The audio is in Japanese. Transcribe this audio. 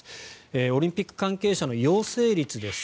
オリンピック関係者の陽性率です。